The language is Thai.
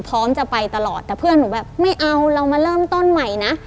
พร้อมจะไปตลอดแต่เพื่อนหนูแบบไม่เอาเรามาเริ่มต้นใหม่นะ